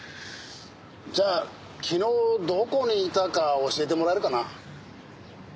じゃあ昨日どこにいたか教えてもらえるかな？